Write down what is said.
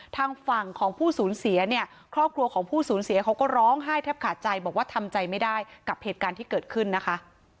ทางฝั่งของผู้สูญเสียเนี่ยครอบครัวของผู้สูญเสียเขาก็ร้องไห้แทบขาดใจบอกว่าทำใจไม่ได้กับเหตุการณ์ที่เกิดขึ้นนะคะ